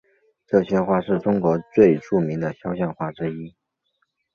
这些画是中国最著名的肖像画之一。